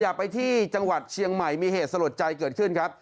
อยากไปที่จังหวัดเชียงใหม่มีเหตุสลดใจเกิดขึ้นครับ